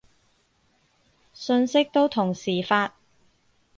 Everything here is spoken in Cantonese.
信息都同時發